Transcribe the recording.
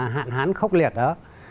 hạn hán khốc liệt đó